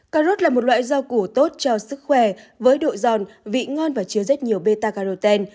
cà rốt là một loại rau củ tốt cho sức khỏe với độ giòn vị ngon và chứa rất nhiều betaroten